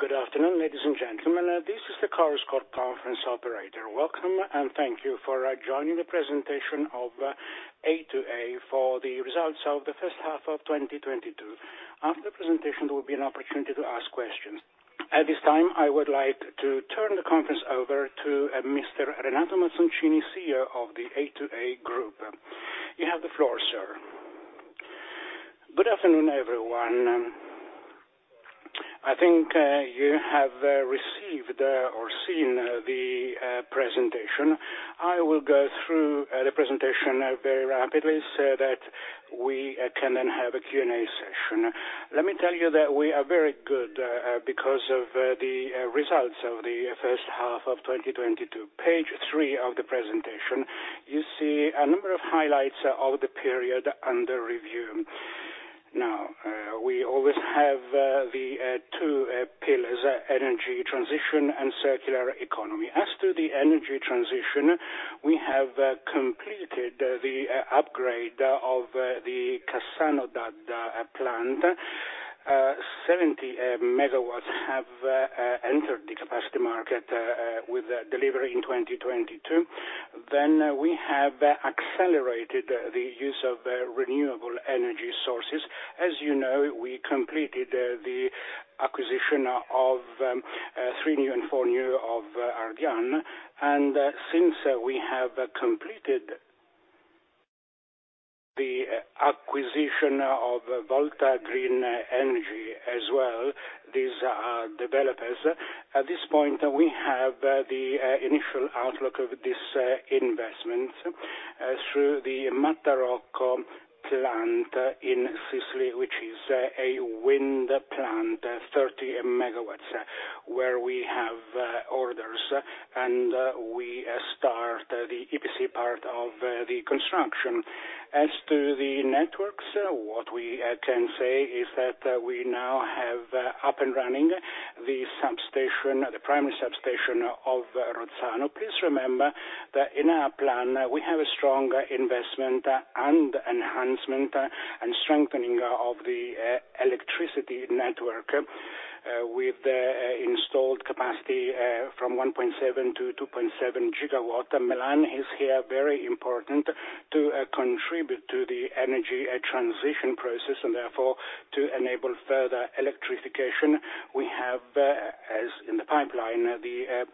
Good afternoon, ladies and gentlemen. This is the Chorus Call conference operator. Welcome and thank you for joining the presentation of A2A for the results of the first half of 2022. After the presentation, there will be an opportunity to ask questions. At this time, I would like to turn the conference over to Mr. Renato Mazzoncini, CEO of the A2A group. You have the floor, sir. Good afternoon, everyone. I think you have received or seen the presentation. I will go through the presentation very rapidly so that we can then have a Q&A session. Let me tell you that we are very good because of the results of the first half of 2022. Page three of the presentation, you see a number of highlights of the period under review. Now, we always have the two pillars, energy transition and circular economy. As to the energy transition, we have completed the upgrade of the Cassano d'Adda plant. 70 MW have entered the capacity market with delivery in 2022. We have accelerated the use of renewable energy sources. As you know, we completed the acquisition of 3New & Partners and 4New of Ardian. Since we have completed the acquisition of Volta Green Energy as well, these are developers. At this point, we have the initial outlook of this investment through the Mattarello plant in Sicily, which is a wind plant, 30 MW, where we have orders, and we start the EPC part of the construction. As to the networks, what we can say is that we now have up and running the substation, the primary substation of Rozzano. Please remember that in our plan, we have a strong investment and enhancement and strengthening of the electricity network, with the installed capacity from 1.7-2.7 GW. Milan is here very important to contribute to the energy transition process, and therefore to enable further electrification. We have, as in the pipeline, the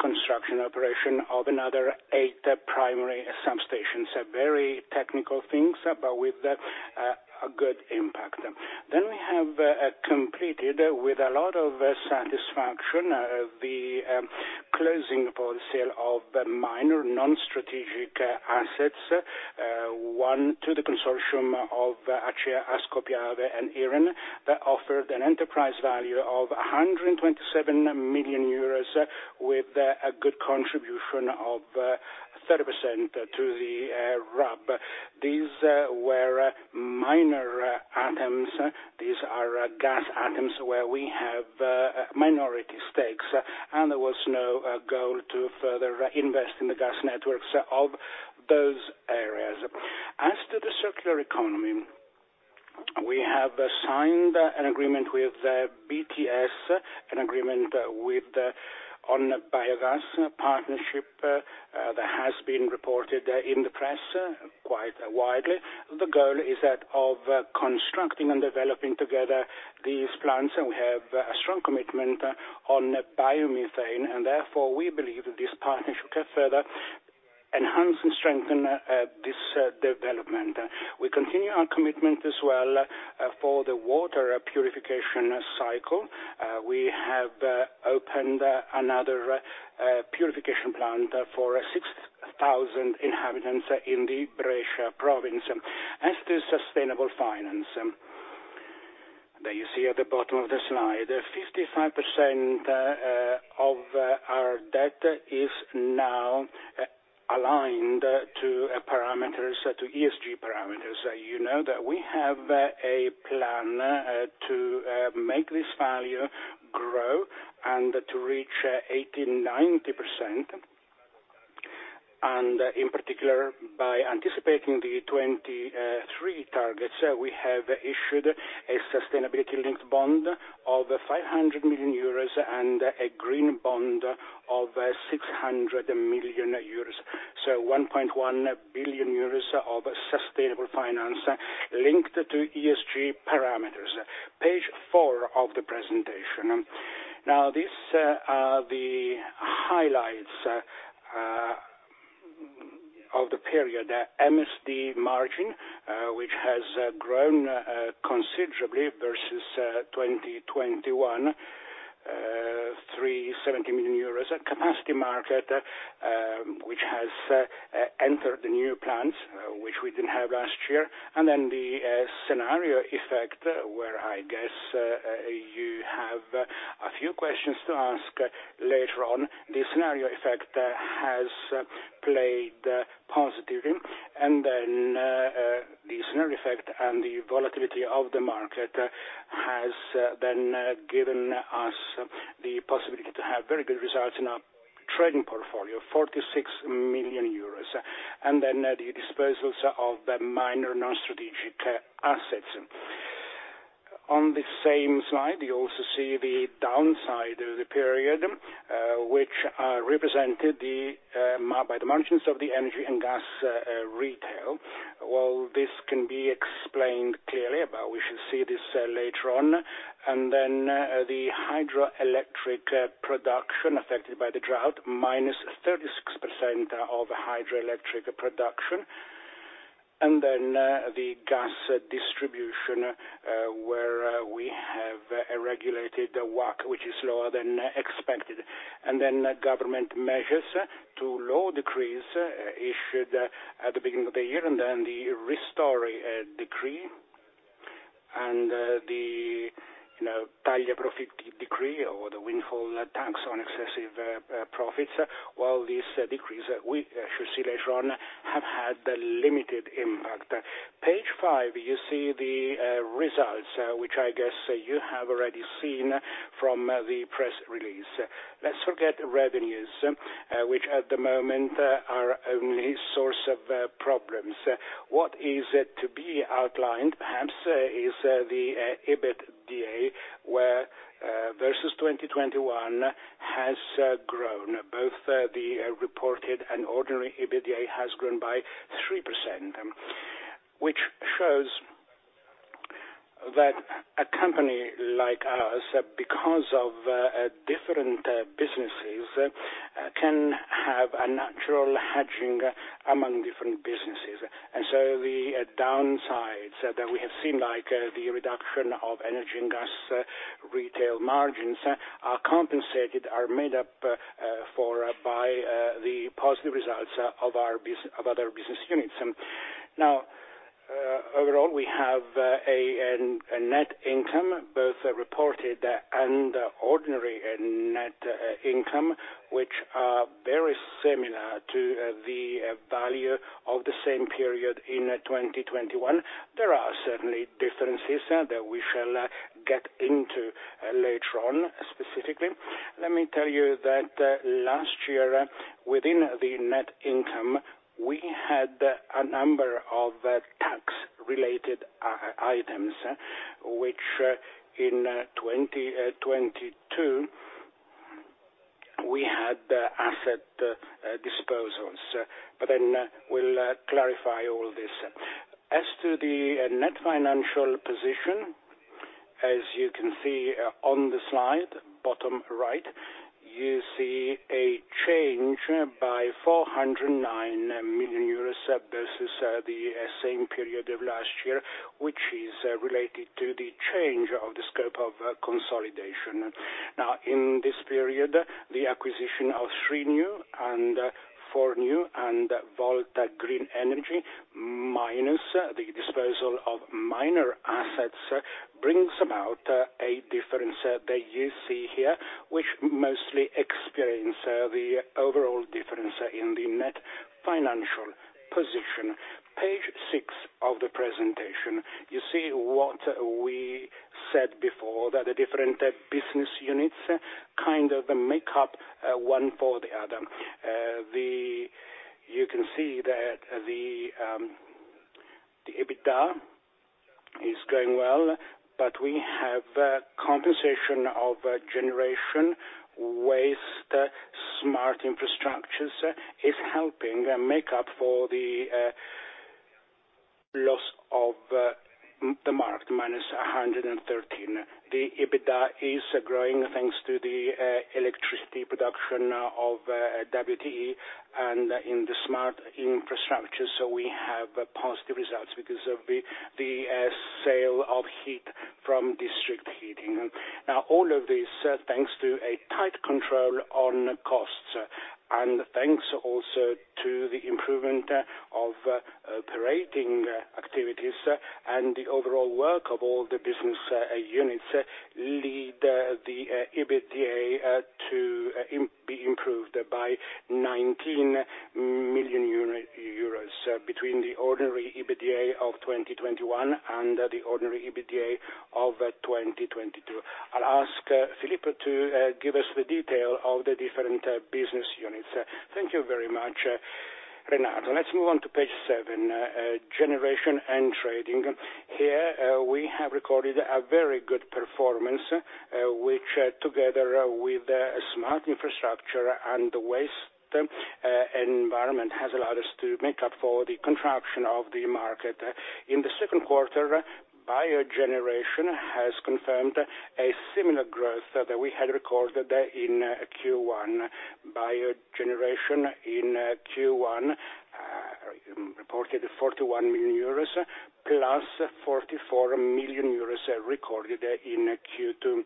construction operation of another eight primary substations. Very technical things, but with a good impact. We have completed with a lot of satisfaction the closing for the sale of minor non-strategic assets, one to the consortium of Acea, Ascopiave, and Iren, that offered an enterprise value of 127 million euros with a good contribution of 30% to the RAB. These were minor items. These are gas items where we have minority stakes, and there was no goal to further invest in the gas networks of those areas. As to the circular economy, we have signed an agreement with BTS, an agreement with on biogas partnership, that has been reported in the press quite widely. The goal is that of constructing and developing together these plants, and we have a strong commitment on biomethane, and therefore we believe this partnership can further enhance and strengthen this development. We continue our commitment as well for the water purification cycle. We have opened another purification plant for 6,000 inhabitants in the Brescia province. As to sustainable finance, that you see at the bottom of the slide, 55% of our debt is now aligned to parameters, to ESG parameters. You know that we have a plan to make this value grow and to reach 80%-90%. In particular, by anticipating the 2023 targets, we have issued a sustainability-linked bond of 500 million euros and a green bond of 600 million euros. 1.1 billion euros of sustainable finance linked to ESG parameters. Page four of the presentation. Now, these are the highlights of the period. MSD margin, which has grown considerably versus 2021, 370 million euros. Capacity market, which has entered the new plants, which we didn't have last year. The scenario effect, where I guess you have a few questions to ask later on. The scenario effect has played positively. The scenario effect and the volatility of the market has then given us the possibility to have very good results in our trading portfolio, 46 million euros, and then the disposals of the minor non-strategic assets. On the same slide, you also see the downside of the period, which represented by the margins of the energy and gas retail. Well, this can be explained clearly, but we shall see this later on. The hydroelectric production affected by the drought, -36% of hydroelectric production. The gas distribution, where we have a regulated WACC, which is lower than expected. Government measures, the law decrees issued at the beginning of the year, and then the Ristori decree and, you know, the tassa sugli extraprofitti decree or the windfall tax on excessive profits, while these decrees, we should see later on, have had a limited impact. Page 5, you see the results, which I guess you have already seen from the press release. Let's look at revenues, which at the moment are only source of problems. What is to be outlined, perhaps, is the EBITDA, where versus 2021 has grown. Both the reported and ordinary EBITDA has grown by 3%, which shows that a company like us, because of different businesses, can have a natural hedging among different businesses. The downsides that we have seen, like the reduction of energy and gas retail margins, are compensated, made up for by the positive results of our other business units. Now, overall, we have a net income, both reported and ordinary net income, which are very similar to the value of the same period in 2021. There are certainly differences that we shall get into later on, specifically. Let me tell you that last year, within the net income, we had a number of tax-related items, which in 2022 we had asset disposals. We'll clarify all this. As to the net financial position, as you can see on the slide, bottom right, you see a change by 409 million euros sub versus the same period of last year, which is related to the change of the scope of consolidation. Now, in this period, the acquisition of 3New & Partners and 4New and Volta Green Energy, minus the disposal of minor assets, brings about a difference that you see here, which mostly explains the overall difference in the net financial position. Page 6 of the presentation, you see what we said before, that the different business units kind of make up one for the other. You can see that the EBITDA is going well, but we have a compensation of generation, waste, smart infrastructures is helping make up for the loss of the market, -113. The EBITDA is growing, thanks to the electricity production of WTE and in the smart infrastructure. We have positive results, because of the sale of heat from district heating. Now, all of this, thanks to a tight control on costs, and thanks also to the improvement of operating activities and the overall work of all the business units, lead the EBITDA to be improved by 19 million euro between the ordinary EBITDA of 2021 and the ordinary EBITDA of 2022. I'll ask Filippo to give us the detail of the different business units. Thank you very much, Renato. Let's move on to page seven, generation and trading. Here, we have recorded a very good performance, which, together with, smart infrastructure and the waste, environment, has allowed us to make up for the contraction of the market. In the second quarter, biogeneration has confirmed a similar growth that we had recorded in, Q1. Biogeneration in, Q1, reported 41 million euros, +44 million euros recorded in Q2.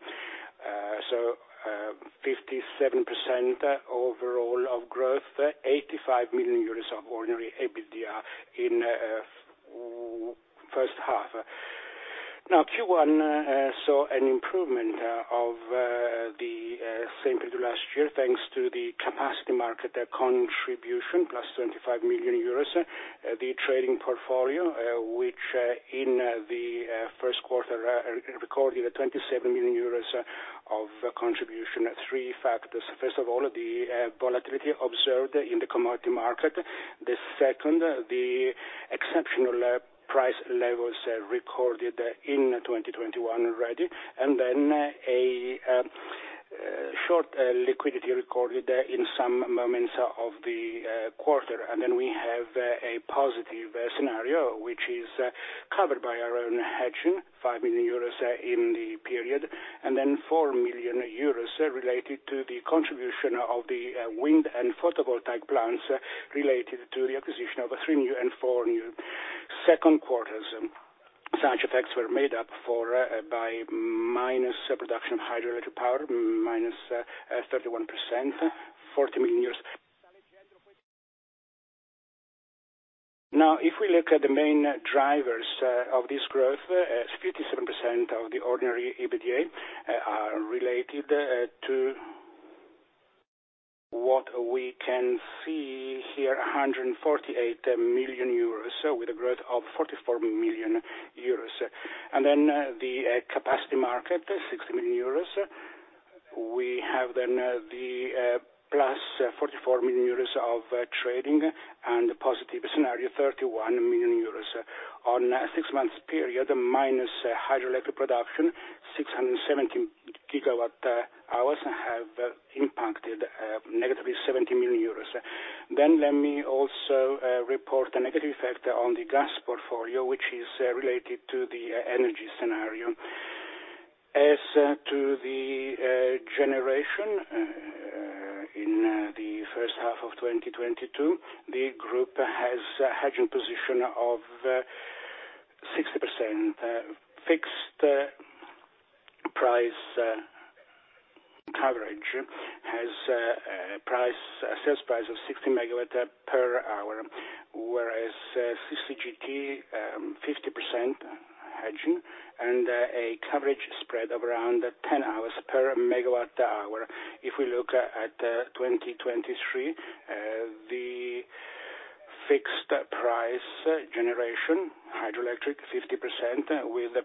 57% overall of growth, 85 million euros of ordinary EBITDA in, first half. Now, Q1 saw an improvement, of same as last year, thanks to the capacity market, the contribution +25 million euros. The trading portfolio, which, in, the, first quarter, recorded a 27 million euros of contribution. Three factors. First of all, the volatility observed in the commodity market. The second, the exceptional price levels recorded in 2021 already, and then a short liquidity recorded in some moments of the quarter. Then we have a positive scenario, which is covered by our own hedging, 5 million euros in the period, and then 4 million euros related to the contribution of the wind and photovoltaic plants related to the acquisition of 3New & Partners and 4New second quarters. Such effects were made up for by minus production hydroelectric power, -31%, EUR 40 million. Now, if we look at the main drivers of this growth, 57% of the ordinary EBITDA are related to what we can see here, 148 million euros, so with a growth of 44 million euros. The capacity market, 60 million euros. We have then the +44 million euros of trading and the positive scenario, 31 million euros. On a six months period, minus hydroelectric production, 670 GWh have impacted negatively 70 million euros. Let me also report a negative effect on the gas portfolio, which is related to the energy scenario. To the generation in the first half of 2022, the group has a hedging position of 60%, fixed price coverage, has a sales price of 60 per megawatt hour, whereas CCGT, 50% hedging and a coverage spread of around 10 per megawatt hour. If we look at 2023, the fixed price generation, hydroelectric, 50% with a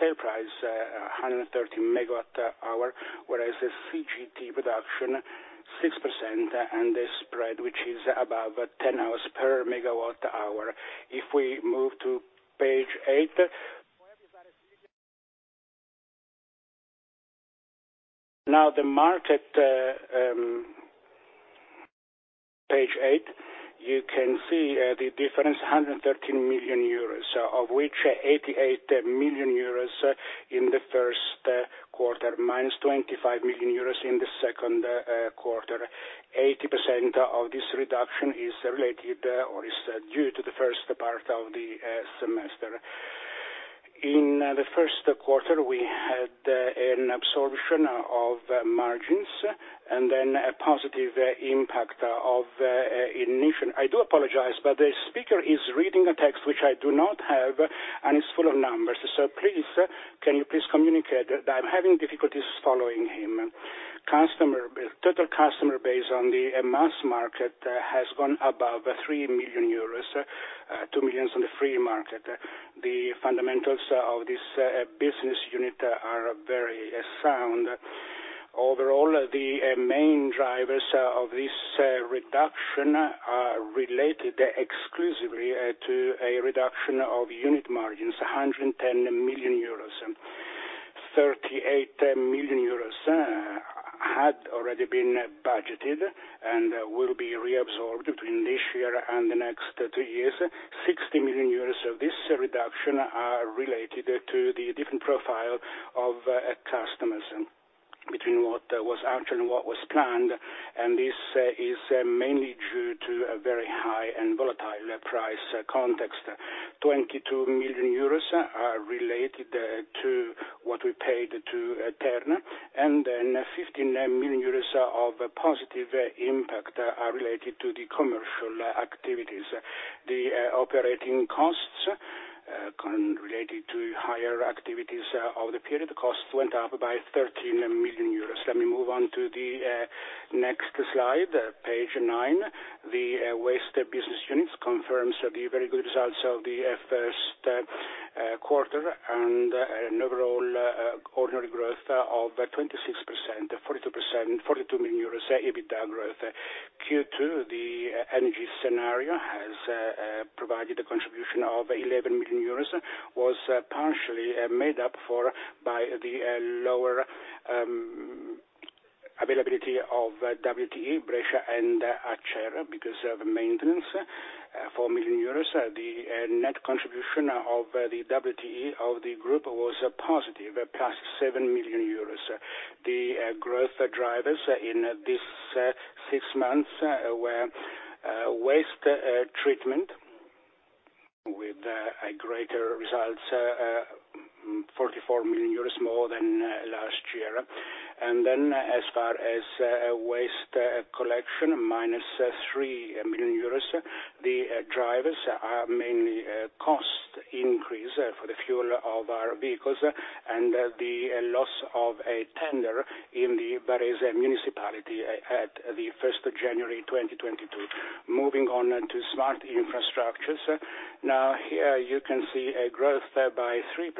sale price of 130 per megawatt hour, whereas the CCGT production, 6%, and the spread, which is above 10 per megawatt hour. If we move to page eight. Now the market. Page eight, you can see the difference, 113 million euros, of which 88 million euros in the first quarter, -25 million euros in the second quarter. 80% of this reduction is related or is due to the first part of the semester. In the first quarter, we had an absorption of margins and then a positive impact of inflation. I do apologize, but the speaker is reading a text which I do not have, and it's full of numbers. Please, can you please communicate? I'm having difficulties following him. Total customer base on the mass market has gone above 3 million euros, 2 million on the free market. The fundamentals of this business unit are very sound. Overall, the main drivers of this reduction are related exclusively to a reduction of unit margins, 110 million euros. 38 million euros had already been budgeted and will be reabsorbed between this year and the next two years. 60 million euros of this reduction are related to the different profile of customers between what was actual and what was planned, and this is mainly due to a very high and volatile price context. 22 million euros are related to what we paid to Terna. 15 million euros of positive impact are related to the commercial activities. The operating costs related to higher activities of the period, costs went up by 13 million euros. Let me move on to the next slide, page nine. The waste business units confirms the very good results of the first quarter and an overall organic growth of 26%, 42%, 42 million euros EBITDA growth. Q2, the energy scenario has provided a contribution of 11 million euros, was partially made up for by the lower availability of WTE, Brescia, and Acerra because of maintenance, 4 million euros. The net contribution of the WTE of the group was positive, +7 million euros. The growth drivers in this six months were waste treatment with a greater results, 44 million euros more than last year. Waste collection -3 million euros. The drivers are mainly cost increase for the fuel of our vehicles and the loss of a tender in the Brescia municipality at the first of January 2022. Moving on to smart infrastructures. Now, here you can see a growth there by 3%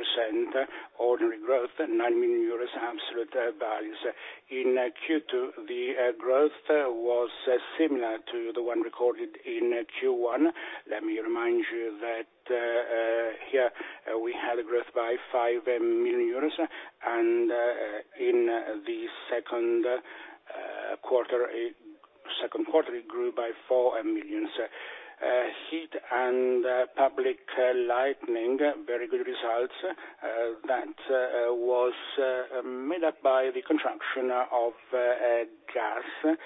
organic growth, 9 million euros absolute values. In Q2, the growth was similar to the one recorded in Q1. Let me remind you that here we had a growth by 5 million euros and in the second quarter, it grew by 4 million. Heat and public lighting, very good results, that was made up by the contraction of gas,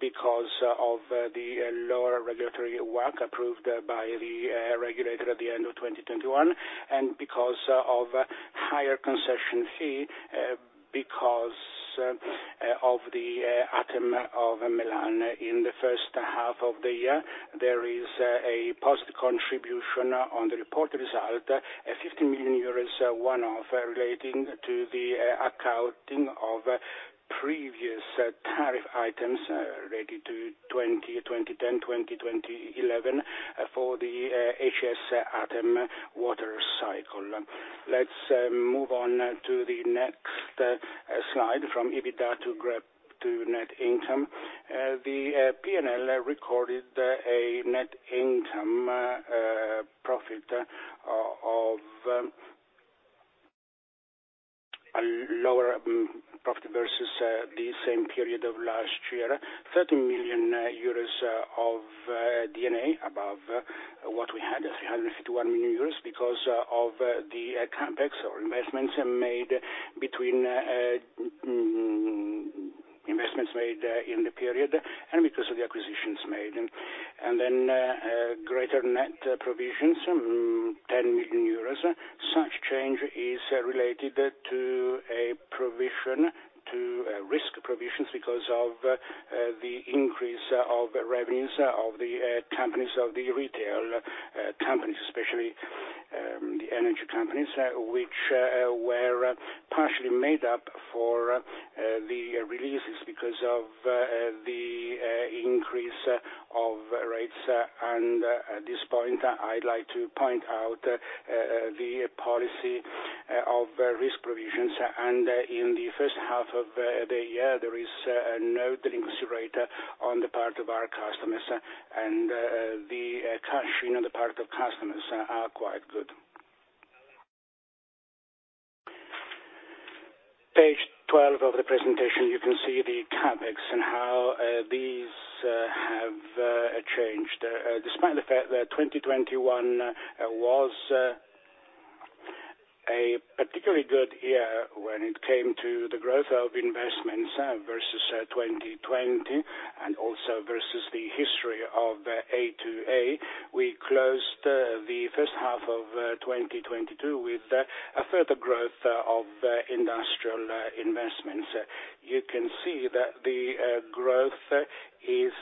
because of the lower regulatory WACC approved by the regulator at the end of 2021, and because of higher concession fee, because of the ATEM of Milan. In the first half of the year, there is a positive contribution on the reported result, a 50 million euros one-off relating to the accounting of previous tariff items related to 2010, 2011 for the HS ATEM water cycle. Let's move on to the next slide from EBITDA to net income. The P&L recorded a net income profit of a lower profit versus the same period of last year. 13 million euros of D&A above what we had, 351 million euros because of the CapEx or investments made in the period and because of the acquisitions made. Then greater net provisions, 10 million euros. Such change is related to a provision to risk provisions because of the increase of revenues of the companies, of the retail companies, especially the energy companies, which were partially made up for the releases because of the increase of rates. At this point, I'd like to point out the policy of risk provisions. In the first half of the year, there is no delinquency rate on the part of our customers, and the cash, you know, the part of customers are quite good. Page 12 of the presentation, you can see the CapEx and how these have changed. Despite the fact that 2021 was a particularly good year when it came to the growth of investments versus 2020 and also versus the history of A2A, we closed the first half of 2022 with a further growth of industrial investments. You can see that the growth is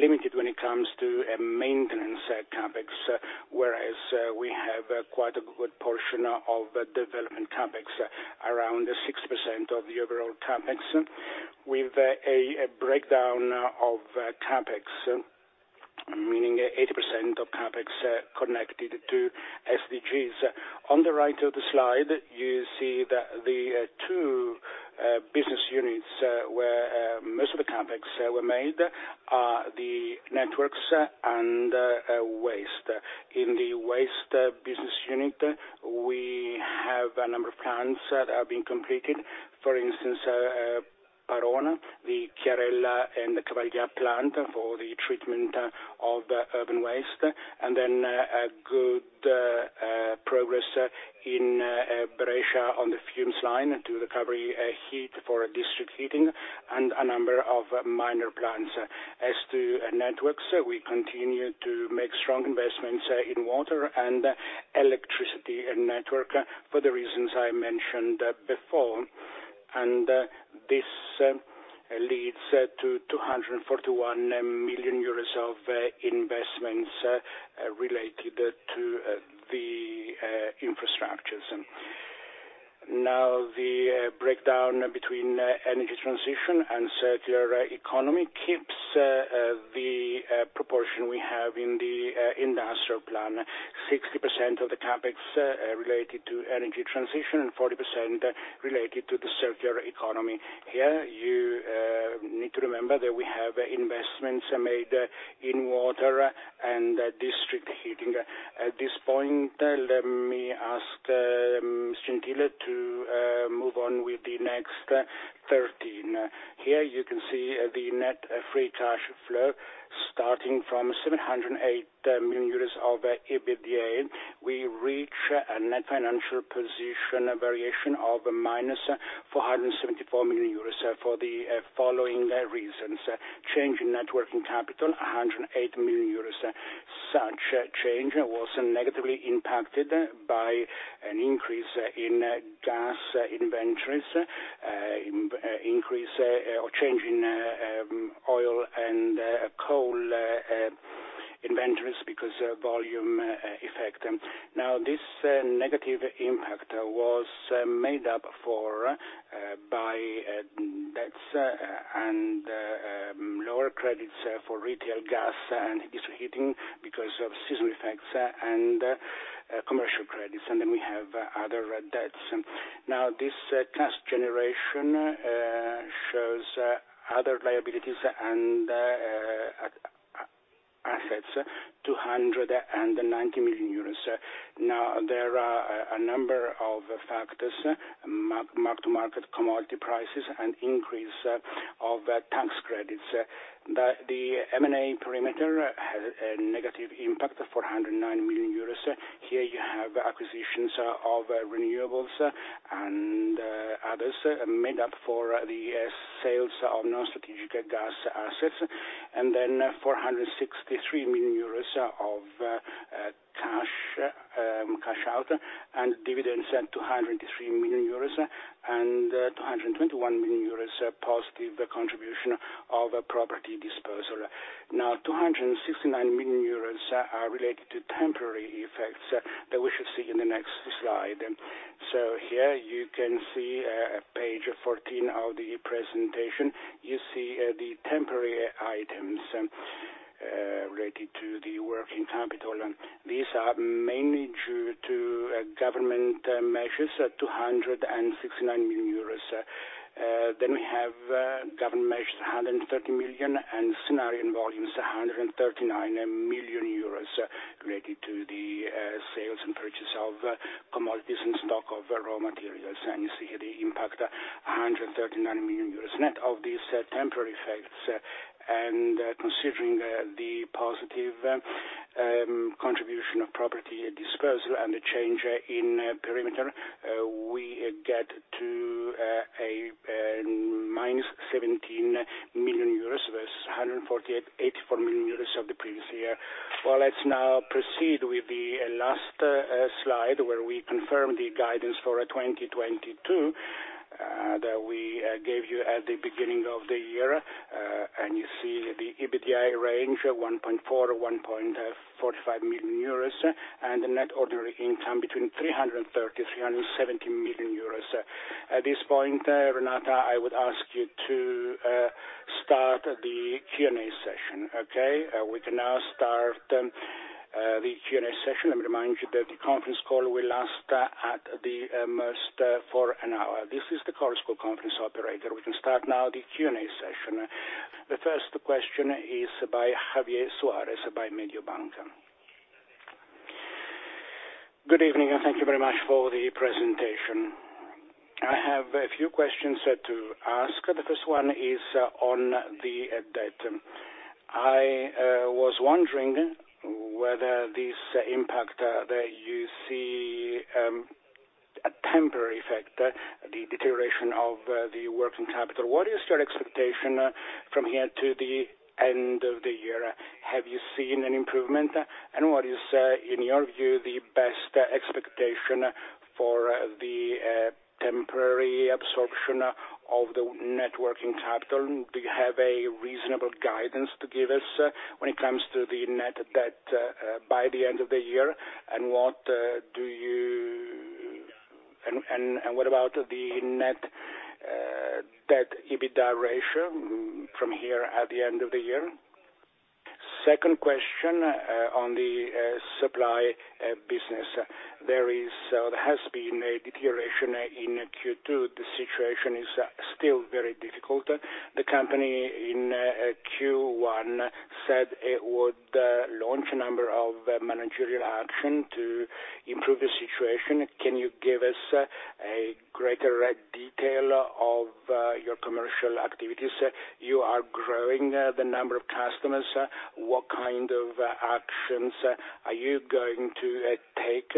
limited when it comes to a maintenance CapEx, whereas we have quite a good portion of development CapEx, around 6% of the overall CapEx, with a breakdown of CapEx, meaning 80% of CapEx connected to SDGs. On the right of the slide, you see that the two business units where most of the CapEx were made are the networks and waste. In the waste business unit, we have a number of plants that are being completed. For instance, Parona, La Chiarella and the Cavaglià plant for the treatment of urban waste, and then a good progress in Brescia on the fumes line to recovery heat for district heating and a number of minor plants. As to networks, we continue to make strong investments in water and electricity network for the reasons I mentioned before. This leads to 241 million euros of investments related to the infrastructures. Now, the breakdown between energy transition and circular economy keeps the proportion we have in the industrial plan. 60% of the CapEx related to energy transition and 40% related to the circular economy. Here, you need to remember that we have investments made in water and district heating. At this point, let me ask Renato to move on with the next 13. Here you can see the net free cash flow starting from 708 million euros of EBITDA. We reach a net financial position variation of -474 million euros for the following reasons. Change in net working capital, 108 million euros. Such change was negatively impacted by an increase in gas inventories, increase or change in oil and coal prices. Inventories because volume effect. Now this negative impact was made up for by debts and lower credits for retail gas and district heating because of seasonal effects and commercial credits. We have other debts. Now this cash generation shows other liabilities and assets, 290 million euros. Now, there are a number of factors, mark-to-market commodity prices and increase of tax credits. The M&A perimeter has a negative impact of 490 million euros. Here you have acquisitions of renewables and others made up for the sales of non-strategic gas assets, and then 463 million euros of cash out and dividends at 203 million euros and 221 million euros positive contribution of a property disposal. Now, 269 million euros are related to temporary effects that we should see in the next slide. Here you can see page 14 of the presentation. You see the temporary items related to the working capital. These are mainly due to government measures, 269 million euros. Then we have government measures, 130 million, and scenario volumes, 139 million euros related to the sales and purchase of commodities and stock of raw materials. You see the impact, 139 million euros net of these temporary effects. Considering the positive contribution of property disposal and the change in perimeter, we get to a -17 million euros versus 148.84 million euros of the previous year. Well, let's now proceed with the last slide, where we confirm the guidance for 2022 that we gave you at the beginning of the year. You see the EBITDA range of 1.4 million-1.45 million euros, and the net ordinary income between 330 million euros and 370 million euros. At this point, Renato, I would ask you to start the Q&A session. Okay. We can now start the Q&A session. Let me remind you that the conference call will last at the most for an hour. This is the Chorus Call conference operator. We can start now the Q&A session. The first question is by Javier Suarez of Mediobanca. Good evening, and thank you very much for the presentation. I have a few questions to ask. The first one is on the debt. I was wondering whether this impact that you see a temporary effect, the deterioration of the working capital. What is your expectation from here to the end of the year? Have you seen an improvement? What is in your view the best expectation for the temporary absorption of the net working capital? Do you have a reasonable guidance to give us when it comes to the net debt by the end of the year? What do you What about the net debt EBITDA ratio from here at the end of the year? Second question, on the supply business. There has been a deterioration in Q2. The situation is still very difficult. The company in Q1 said it would launch a number of managerial action to improve the situation. Can you give us greater detail of your commercial activities? You are growing the number of customers. What kind of actions are you going to take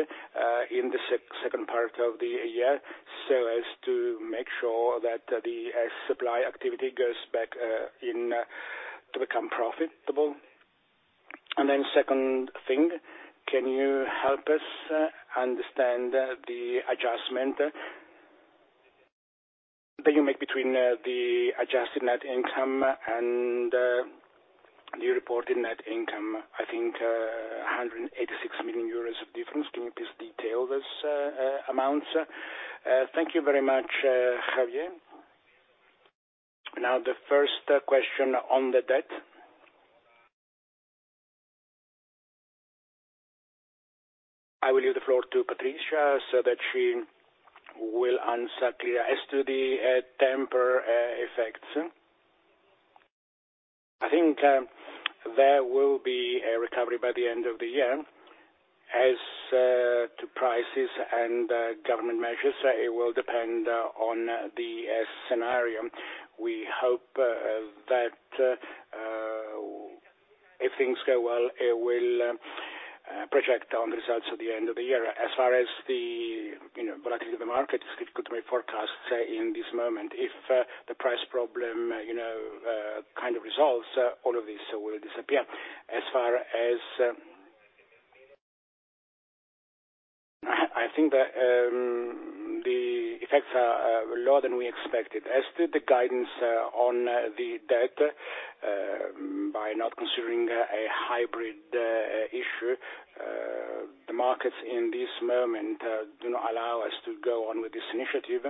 in the second part of the year so as to make sure that the supply activity goes back to become profitable? Second thing, can you help us understand the adjustment that you make between the adjusted net income and the reported net income? I think 186 million euros of difference. Can you please detail those amounts? Thank you very much, Javier. Now, the first question on the debt. I will leave the floor to Patrizia so that she will answer clear. As to the temporary effects, I think there will be a recovery by the end of the year. As to prices and government measures, it will depend on the scenario. We hope that if things go well, it will project on results at the end of the year. As far as the you know volatility of the market, it's difficult to make forecasts in this moment. If the price problem you know kind of resolves, all of this will disappear. As far as, I think that the effects are lower than we expected. As to the guidance on the debt, by not considering a hybrid issue, the markets in this moment do not allow us to go on with this initiative.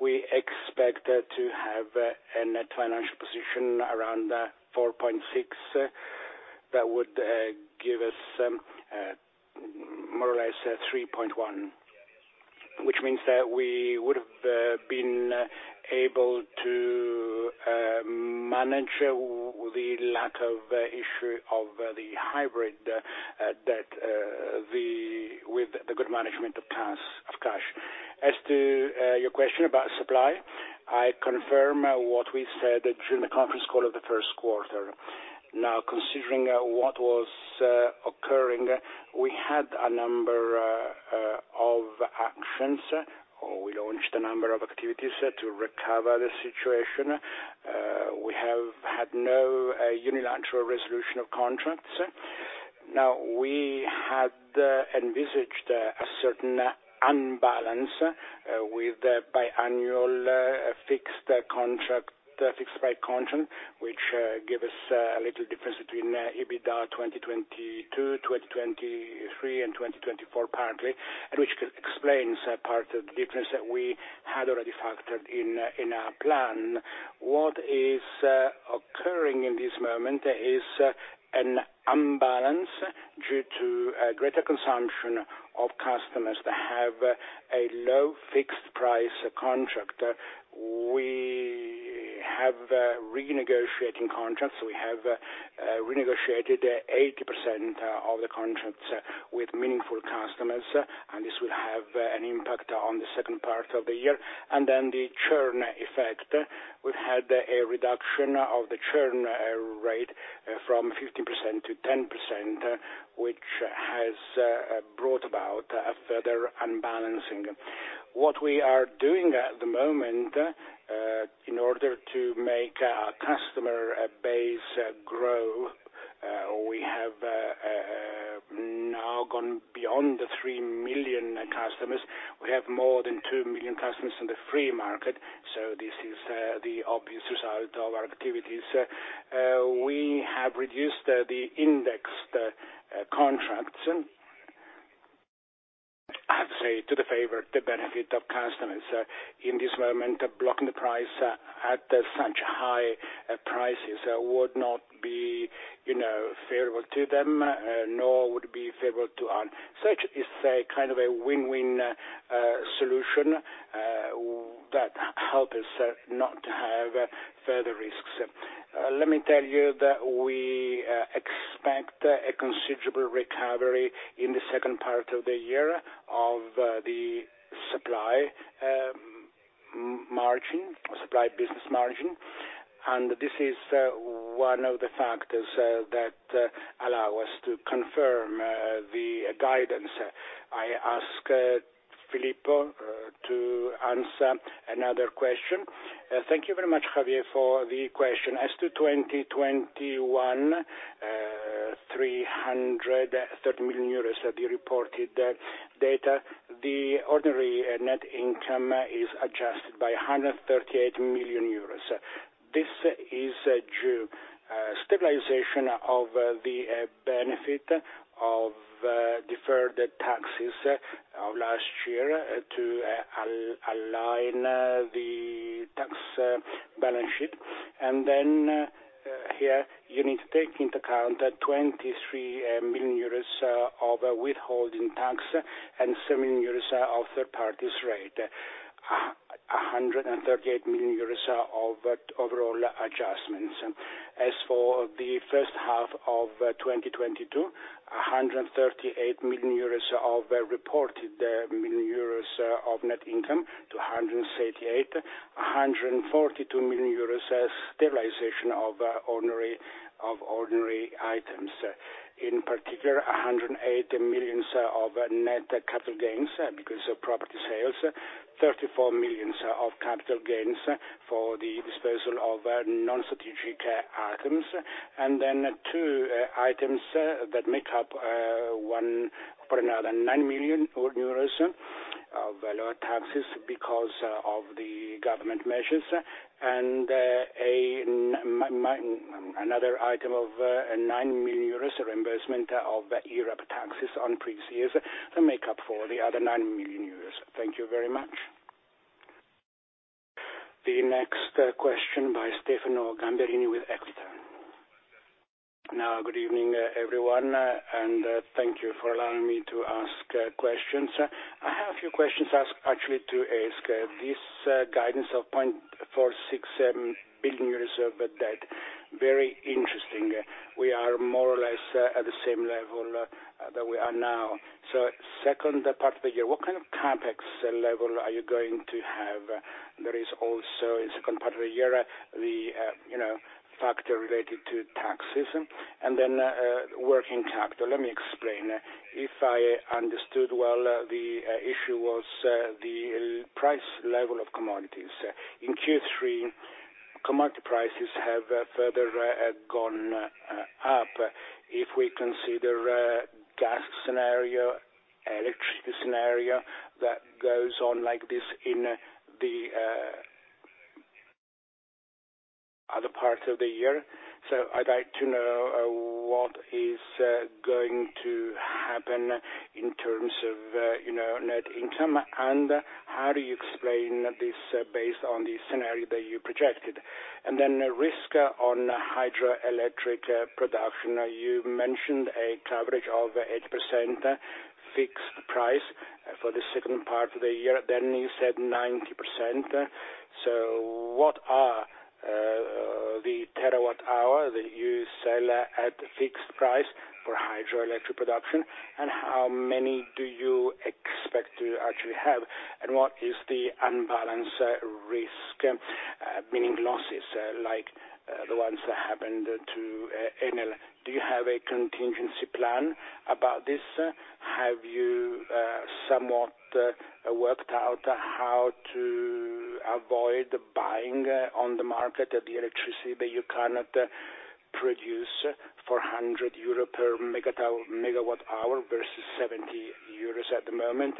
We expect to have a net financial position around 4.6. That would give us more or less 3.1, which means that we would have been able to manage the lack of issue of the hybrid debt with the good management of cash. As to your question about supply, I confirm what we said during the conference call of the first quarter. Considering what was occurring, we had a number of actions, or we launched a number of activities to recover the situation. We have had no unilateral resolution of contracts. Now, we had envisaged a certain unbalance with the biannual fixed price contract, which give us a little difference between EBITDA 2022, 2023, and 2024, partly, and which explains a part of the difference that we had already factored in our plan. What is occurring in this moment is an unbalance due to a greater consumption of customers that have a low fixed price contract. We have renegotiated 80% of the contracts with meaningful customers, and this will have an impact on the second part of the year. The churn effect, we've had a reduction of the churn rate from 15%-10%, which has brought about a further unbalancing. What we are doing at the moment in order to make our customer base grow, we have now gone beyond the 3 million customers. We have more than 2 million customers in the free market, so this is the obvious result of our activities. We have reduced the indexed contracts, I have to say, to the favor, the benefit of customers. In this moment, blocking the price at such high prices would not be, you know, favorable to them, nor would it be favorable to us. Such is a kind of a win-win solution that help us not to have further risks. Let me tell you that we expect a considerable recovery in the second part of the year of the supply margin, supply business margin. This is one of the factors that allow us to confirm the guidance. I ask Filippo to answer another question. Thank you very much, Javier, for the question. As to 2021, 330 million euros of the reported data, the ordinary net income is adjusted by 138 million euros. This is due to stabilization of the benefit of deferred taxes of last year to align the tax balance sheet. Then here, you need to take into account 23 million euros of withholding tax and 7 of third party's rate. 138 million euros of overall adjustments. As for the first half of 2022, reported net income of 138 million-168 million. EUR 142 million as stabilization of ordinary items. In particular, 108 million of net capital gains because of property sales, 34 million of capital gains for the disposal of non-strategic items. Two items that make up 1.9 million euros of lower taxes because of the government measures, and another item of 9 million euros reimbursement of IRAP taxes on previous years make up for the other 9 million euros. Thank you very much. The next question by Stefano Gamberini with Equita. Now, good evening, everyone, and thank you for allowing me to ask questions. I have a few questions actually to ask. This guidance of 0.467 billion euros of debt, very interesting. We are more or less at the same level that we are now. Second part of the year, what kind of CapEx level are you going to have? There is also, in second part of the year, the factor related to taxes. Working capital. Let me explain. If I understood well, the issue was the price level of commodities. In Q3, commodity prices have further gone up. If we consider a gas scenario, electricity scenario, that goes on like this in the other parts of the year. I'd like to know what is going to happen in terms of, you know, net income, and how do you explain this based on the scenario that you projected? Risk on hydroelectric production. You mentioned a coverage of 8% fixed price for the second part of the year, then you said 90%. What are the terawatt hour that you sell at fixed price for hydroelectric production, and how many do you expect to actually have? What is the unbalance risk, meaning losses, like, the ones that happened to Enel. Do you have a contingency plan about this? Have you somewhat worked out how to avoid buying on the market of the electricity that you cannot produce for EUR 100 per megawatt hour versus 70 euros at the moment?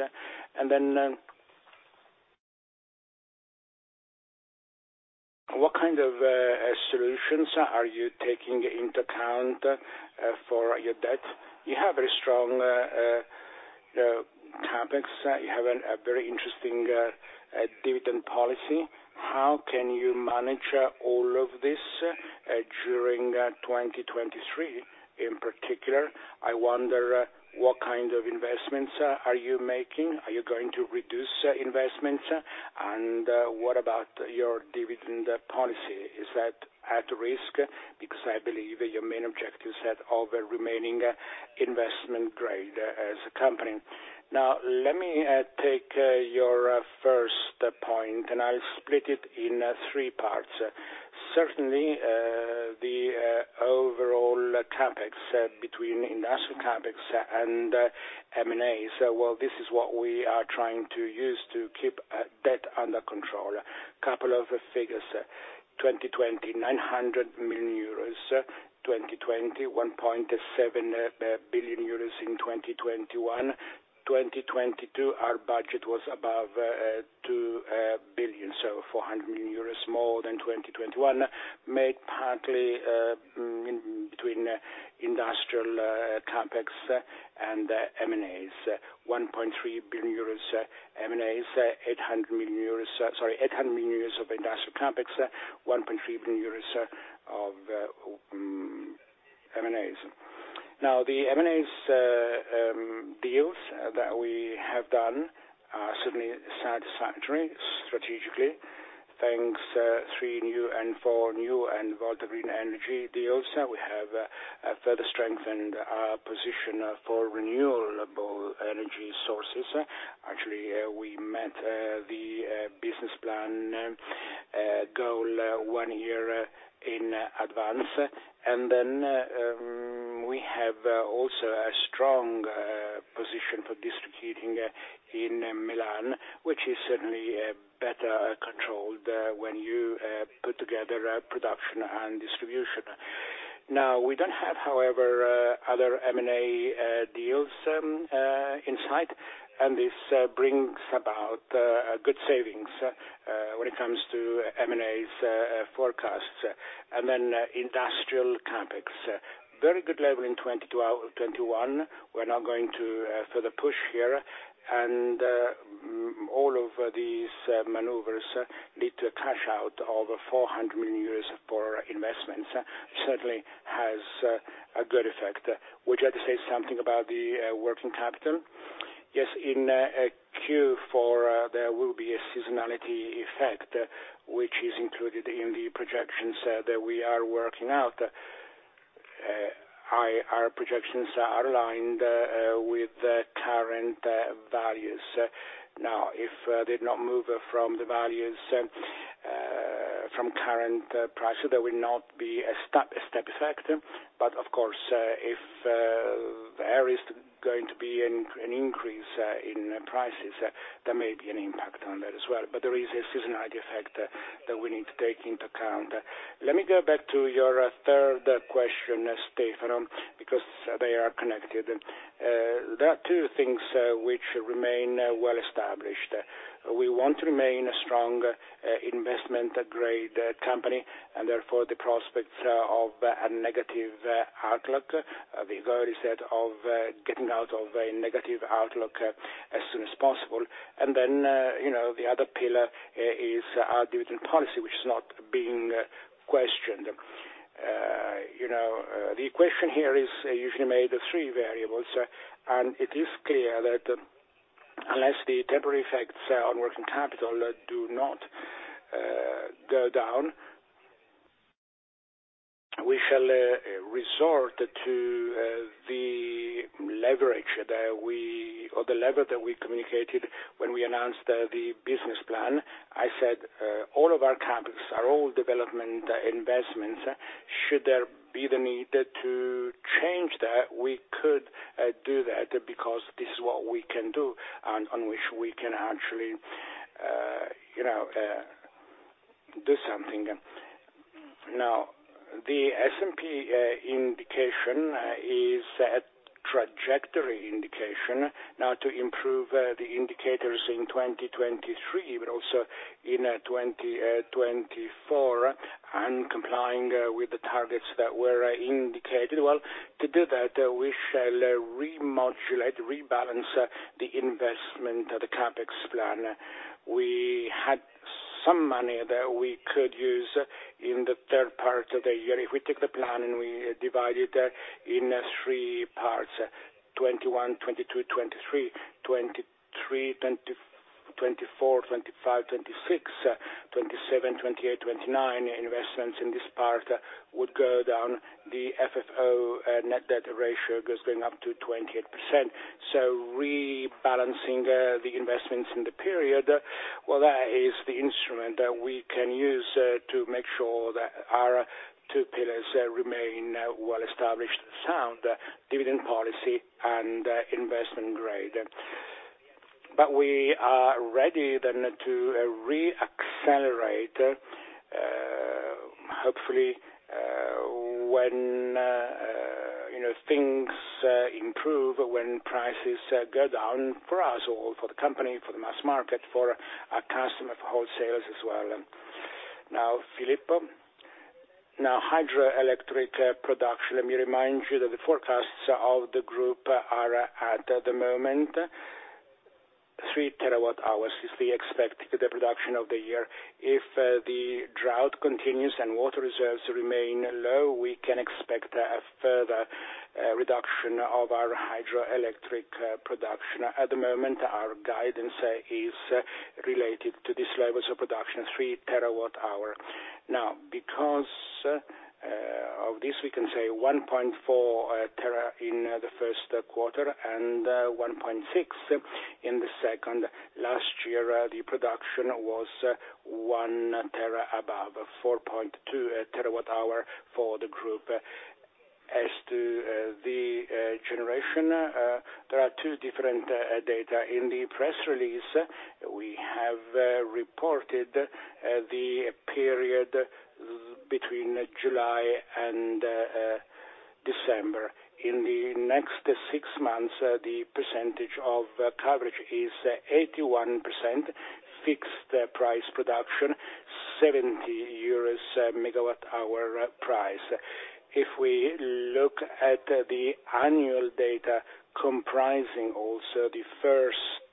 What kind of solutions are you taking into account for your debt? You have a strong CapEx. You have a very interesting dividend policy. How can you manage all of this during 2023? In particular, I wonder what kind of investments are you making? Are you going to reduce investments? What about your dividend policy? Is that at risk? Because I believe your main objective is to remain investment grade as a company. Now, let me take your first point, and I'll split it in three parts. Certainly the overall CapEx between industrial CapEx and M&As. Well, this is what we are trying to use to keep debt under control. A couple of figures. 2020, 900 million euros. 2021, 1.7 billion euros in 2021. 2022, our budget was above 2 billion, so 400 million euros more than 2021, made partly between industrial CapEx and M&As. 1.3 billion euros M&As, 800 million euros of industrial CapEx, 1.3 billion euros of M&As. Now, the M&As deals that we have done are certainly satisfactory strategically. Thanks, 3New & Partners and 4New and Volta Green Energy deals, we have further strengthened our position for renewable energy sources. Actually, we met the business plan goal one year in advance. Then, we have also a strong position for distributing in Milan, which is certainly better controlled when you put together production and distribution. Now, we don't have, however, other M&A deals in sight, and this brings about good savings when it comes to M&A's forecasts. Industrial CapEx. Very good level in 2022 out of 2021. We're now going to further push here. All of these maneuvers need to cash out over 400 million euros for investments. Certainly has a good effect. Would you like to say something about the working capital? Yes, in Q4, there will be a seasonality effect, which is included in the projections that we are working out. Our projections are aligned with the current values. Now, if they did not move from the values from current prices, there will not be a step effect. Of course, if there is going to be an increase in prices, there may be an impact on that as well. There is a seasonality effect that we need to take into account. Let me go back to your third question, Stefano, because they are connected. There are two things which remain well established. We want to remain a strong investment grade company, and therefore the prospects of a negative outlook. We've already said of getting out of a negative outlook as soon as possible. You know, the other pillar is our dividend policy, which is not being questioned. You know, the question here is usually made of three variables, and it is clear that unless the temporary effects on working capital do not go down, we shall resort to the leverage that we, or the lever that we communicated when we announced the business plan. I said all of our CapEx, our all development investments. Should there be the need to change that, we could do that because this is what we can do on which we can actually you know do something. Now, the S&P indication is a trajectory indication. Now to improve the indicators in 2023, but also in 2024, and complying with the targets that were indicated. Well, to do that, we shall remodulate, rebalance the investment, the CapEx plan. We had some money that we could use in the third part of the year. If we take the plan, and we divide it in three parts, 2021, 2022, 2023, 2024, 2025, 2026, 2027, 2028, 2029 investments in this part would go down. The FFO net debt ratio going up to 28%. Rebalancing the investments in the period, well, that is the instrument that we can use to make sure that our two pillars remain well-established and sound, dividend policy and investment grade. We are ready then to re-accelerate, hopefully, when you know things improve, when prices go down for us or for the company, for the mass market, for our customer, for wholesalers as well. Now, Filippo. Hydroelectric production, let me remind you that the forecasts of the group are at the moment 3 TW-hours, the expected production of the year. If the drought continues and water reserves remain low, we can expect a further reduction of our hydroelectric production. At the moment, our guidance is related to these levels of production, 3 TW-hours. Because of this, we can say 1.4 tera in the first quarter and 1.6 in the second. Last year, the production was 1 tera above 4.2 TW-hours for the group. As to the generation, there are two different data. In the press release, we have reported the period between July and December. In the next six months, the percentage of coverage is 81%, fixed price production, 70 euros/MWh price. If we look at the annual data comprising also the first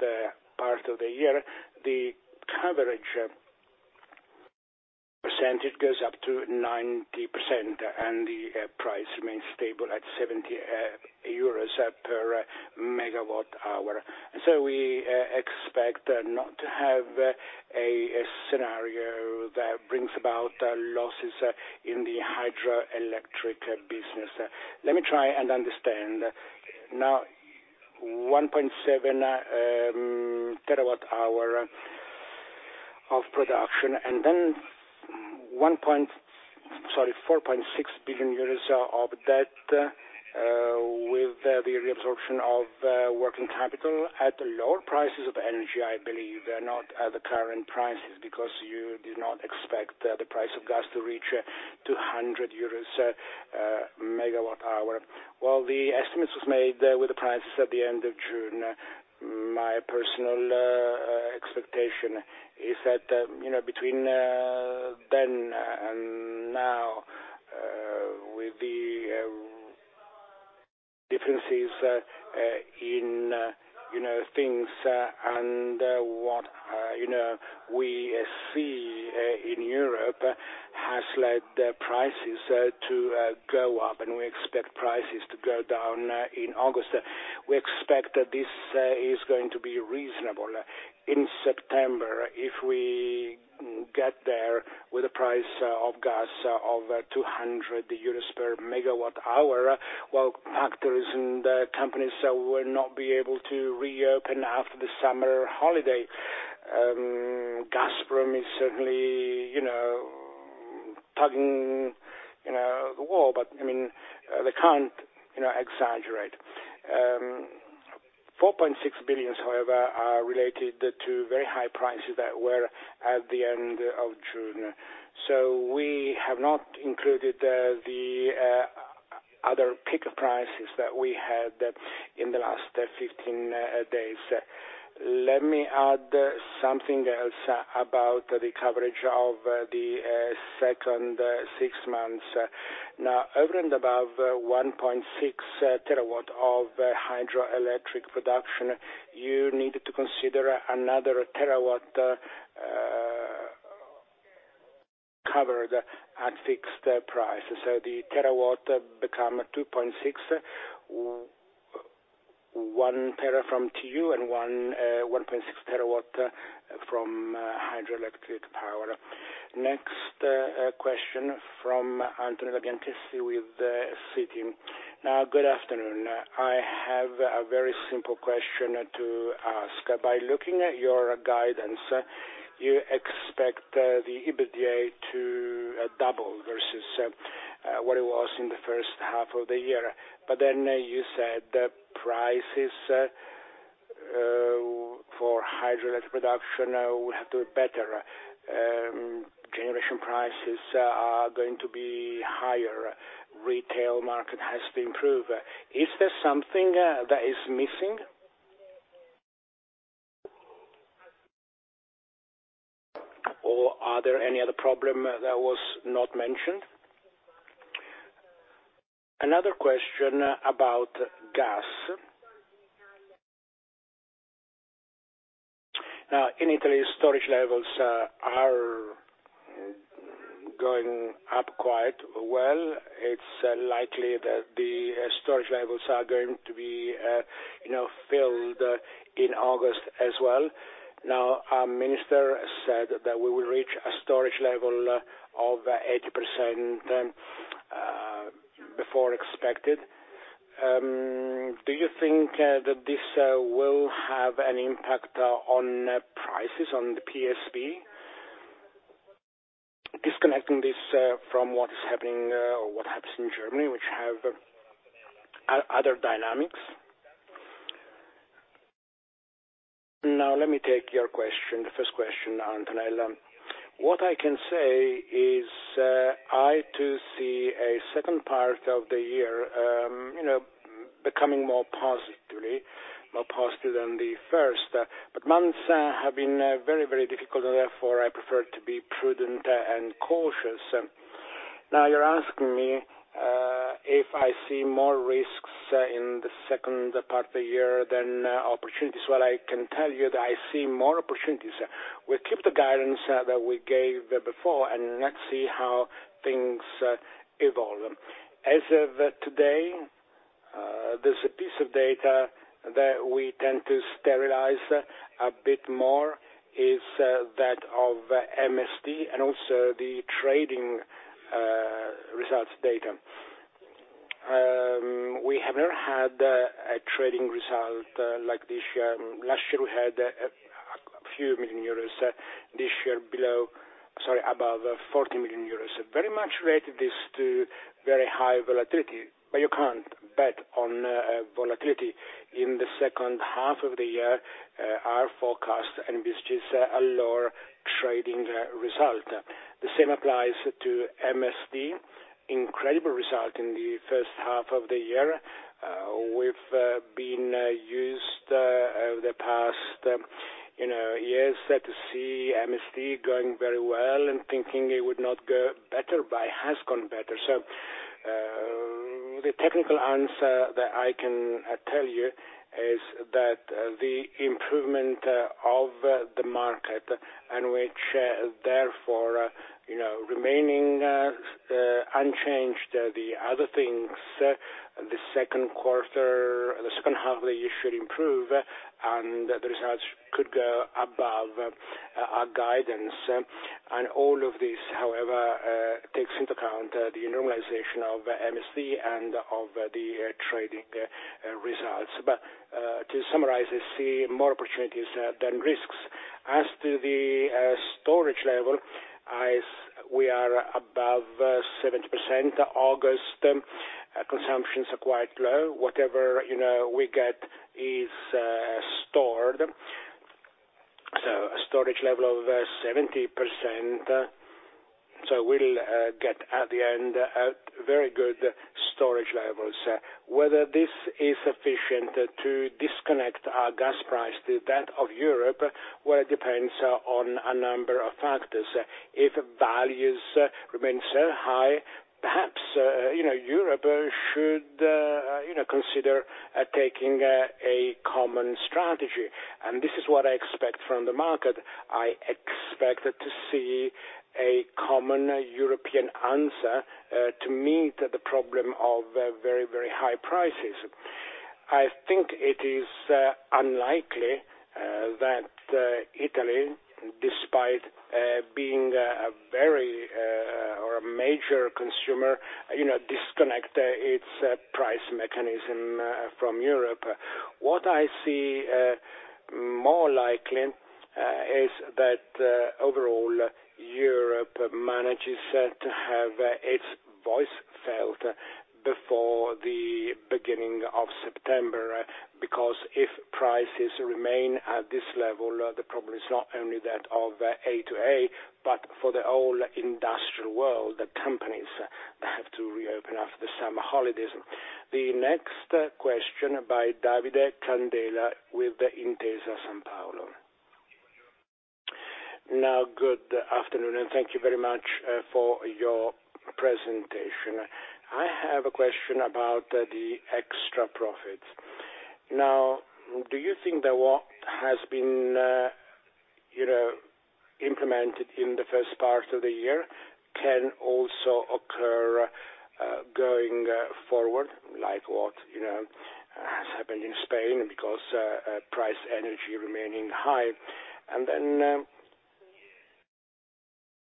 part of the year, the coverage percentage goes up to 90%, and the price remains stable at 70 euros/MWh. We expect not to have a scenario that brings about losses in the hydroelectric business. Let me try and understand. Now, 1.7 TW/h of production, and then 4.6 billion euros of debt, with the reabsorption of working capital at lower prices of energy, I believe, not at the current prices, because you do not expect the price of gas to reach 200 euros/MWh. Well, the estimates was made with the prices at the end of June. My personal expectation is that, you know, between then and now, with the differences in, you know, things and what you know, we see in Europe has led the prices to go up, and we expect prices to go down in August. We expect that this is going to be reasonable. In September, if we get there with a price of gas of 200 euros per MWh, well, factories and companies will not be able to reopen after the summer holiday. Gazprom is certainly, you know, tugging, you know, the wall, but, I mean, they can't, you know, exaggerate. 4.6 billion, however, are related to very high prices that were at the end of June. We have not included the other peak prices that we had in the last 15 days. Let me add something else about the coverage of the second six months. Now, over and above 1.6 TW of hydroelectric production, you need to consider another terawatt covered at fixed price. The terawatt become 2.6, 1 tera from TU and 1.6 TW from hydroelectric power. Next, question from Antonio Di Gioia with the CT. Now, good afternoon. I have a very simple question to ask. By looking at your guidance, you expect the EBITDA to double versus what it was in the first half of the year. Then you said that prices for hydroelectric production will have to be better. Generation prices are going to be higher. Retail market has to improve. Is there something that is missing? Or are there any other problem that was not mentioned? Another question about gas. Now, in Italy, storage levels are going up quite well. It's likely that the storage levels are going to be, you know, filled in August as well. Now, our minister said that we will reach a storage level of 80% before expected. Do you think that this will have an impact on prices on the PSV? Disconnecting this from what is happening or what happens in Germany, which have other dynamics. Now let me take your question, the first question, Antonio Di Gioia. What I can say is, I too see a second part of the year, you know, becoming more positive than the first, but months have been very, very difficult, and therefore, I prefer to be prudent and cautious. Now, you're asking me if I see more risks in the second part of the year than opportunities. What I can tell you that I see more opportunities. We keep the guidance that we gave before, and let's see how things evolve. As of today, there's a piece of data that we tend to sterilize a bit more is that of MSD and also the trading results data. We have never had a trading result like this year. Last year, we had a few million EUR. This year below. Sorry, above 40 million euros. Very much related this to very high volatility, but you can't bet on volatility. In the second half of the year, our forecast envisages a lower trading result. The same applies to MSD. Incredible result in the first half of the year. We've been used the past, you know, years, to see MSD going very well and thinking it would not go better, but it has gone better. The technical answer that I can tell you is that the improvement of the market and which therefore, you know, remaining unchanged, the other things, the second quarter, the second half of the year should improve, and the results could go above our guidance. All of this, however, takes into account the normalization of MSD and of the trading results. To summarize, I see more opportunities than risks. As to the storage level, we are above 70%. August consumptions are quite low. Whatever we get is stored. A storage level of 70%. We'll get at the end a very good storage levels. Whether this is sufficient to disconnect our gas price to that of Europe, well, it depends on a number of factors. If values remain so high, perhaps, you know, Europe should, you know, consider taking a common strategy. This is what I expect from the market. I expect to see a common European answer to meet the problem of very, very high prices. I think it is unlikely that Italy, despite being a very or a major consumer, you know, disconnect its price mechanism from Europe. What I see more likely is that overall Europe manages to have its voice felt before the beginning of September, because if prices remain at this level, the problem is not only that of A2A, but for the whole industrial world, the companies that have to reopen after the summer holidays. The next question by Davide Candela with Intesa Sanpaolo. Now, good afternoon, and thank you very much for your presentation. I have a question about the extra profit. Do you think that what has been you know implemented in the first part of the year can also occur going forward, like what you know has happened in Spain because energy prices remaining high?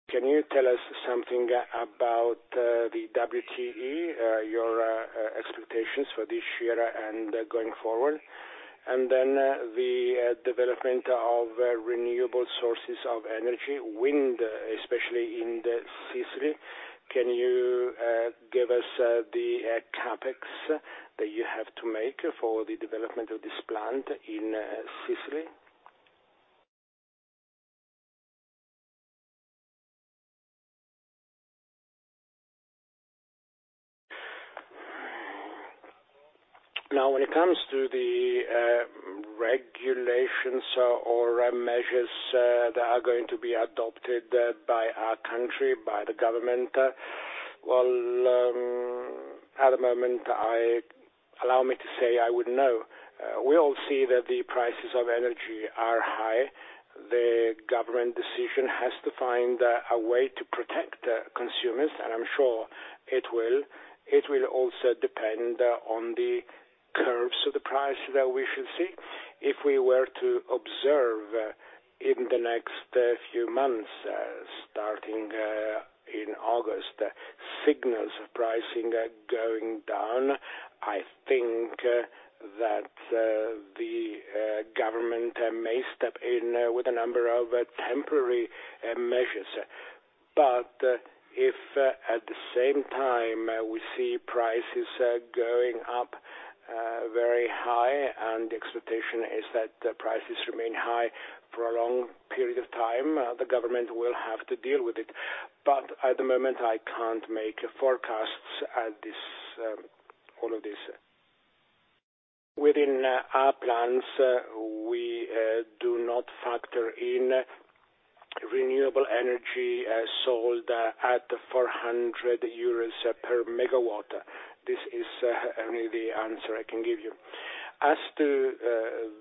Can you tell us something about the WTE, your expectations for this year and going forward, and then the development of renewable sources of energy, wind, especially in Sicily. Can you give us the CapEx that you have to make for the development of this plant in Sicily? Now, when it comes to the regulations or measures that are going to be adopted by our country, by the government, well, at the moment, allow me to say, I wouldn't know. We all see that the prices of energy are high. The government decision has to find a way to protect consumers, and I'm sure it will. It will also depend on the curves of the price that we should see. If we were to observe in the next few months starting in August signals of pricing going down, I think that the government may step in with a number of temporary measures. If at the same time we see prices going up very high, and the expectation is that the prices remain high for a long period of time, the government will have to deal with it. At the moment, I can't make forecasts at this all of this. Within our plans, we do not factor in renewable energy sold at 400 euros per megawatt. This is only the answer I can give you. As to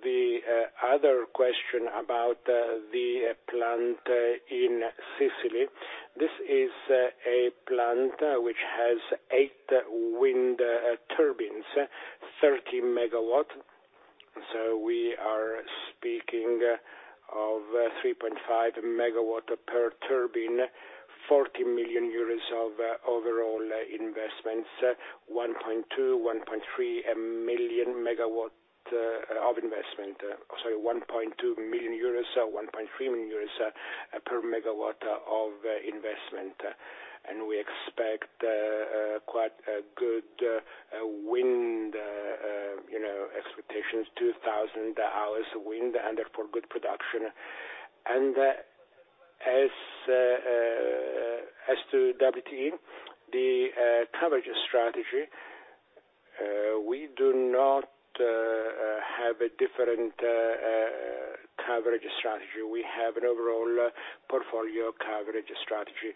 the other question about the plant in Sicily, this is a plant which has eight wind turbines, 30 MW. So we are speaking of 3.5 MW per turbine, 40 million euros of overall investments, 1.2-1.3 million megawatt of investment. Sorry, 1.2-1.3 million per megawatt of investment, and we expect quite a good wind, you know, expectations, 2,000 hours wind, and therefore good production. As to WTE, the coverage strategy, we do not have a different coverage strategy. We have an overall portfolio coverage strategy.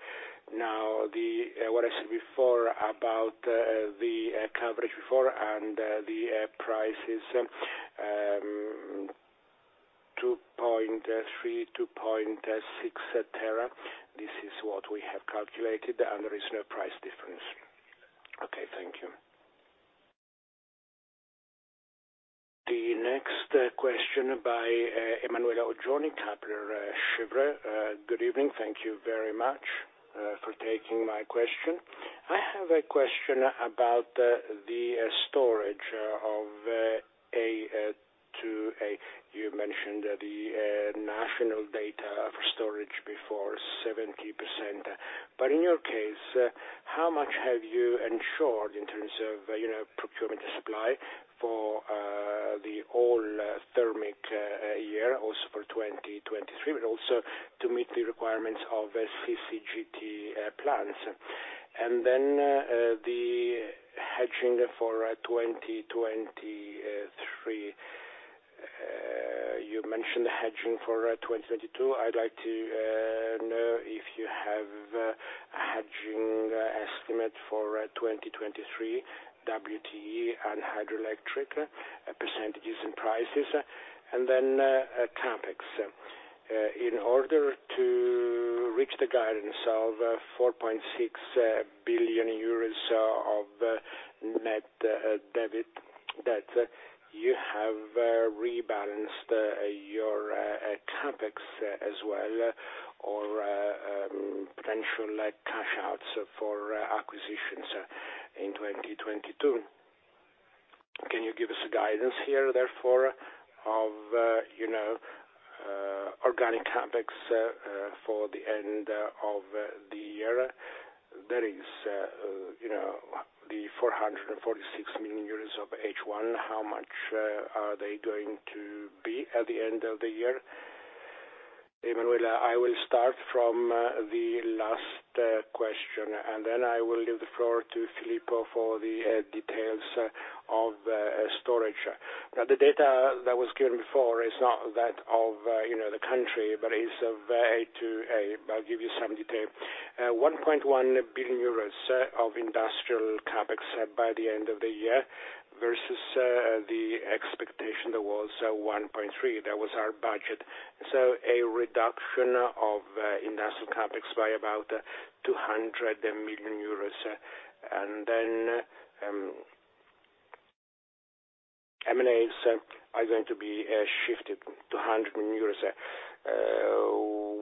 Now the... What I said before about the coverage before and the prices 2.3, 2.6 tera this is what we have calculated and there is no price difference. Okay, thank you. The next question by Emanuele Oggioni, Kepler Cheuvreux. Good evening. Thank you very much for taking my question. I have a question about the storage of A2A. You mentioned the national data of storage before 70%. In your case, how much have you insured in terms of you know procurement supply for the whole thermic year also for 2023 but also to meet the requirements of CCGT plants? Then the hedging for 2023. You mentioned the hedging for 2022. I'd like to know if you have a hedging estimate for 2023 WTE and hydroelectric percentages and prices, and then CapEx. In order to reach the guidance of 4.6 billion euros of net debt, that you have rebalanced your CapEx as well, or potential like cash outlays for acquisitions in 2022. Can you give us a guidance here, therefore, of you know organic CapEx for the end of the year? That is, you know, the 446 million euros of H1, how much are they going to be at the end of the year? Emanuele, I will start from the last question, and then I will give the floor to Filippo for the details of the storage. The data that was given before is not that of, you know, the country, but it's of A2A, but I'll give you some detail. 1.1 billion euros of industrial CapEx by the end of the year versus the expectation that was 1.3 billion. That was our budget. A reduction of industrial CapEx by about 200 million euros. M&As are going to be shifted to 100 million euros.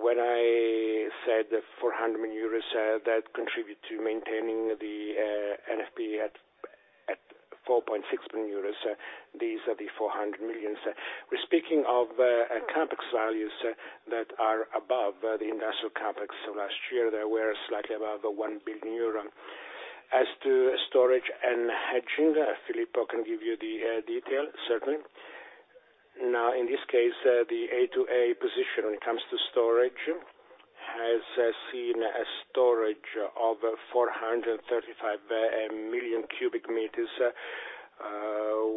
When I said that 400 million euros that contribute to maintaining the NFP at 4.6 billion euros, these are the 400 million. We're speaking of CapEx values that are above the industrial CapEx of last year, they were slightly above the 1 billion euro. As to storage and hedging, Filippo can give you the detail, certainly. Now, in this case, the A2A position when it comes to storage has seen a storage of 435 million cubic meters